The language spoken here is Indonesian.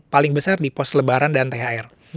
paling besar di pos lebaran dan thr